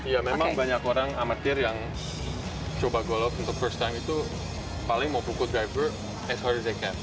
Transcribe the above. iya memang banyak orang amatir yang coba golf untuk first time itu paling mau pukul driver as hard as they can